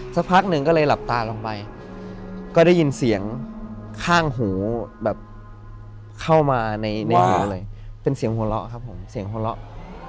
สักพักหนึ่งก็เลยหลับตาลงไปก็ได้ยินเสียงข้างหูแบบเข้ามาในหูเลยเป็นเสียงหัวเราะครับผมเสียงหัวเราะ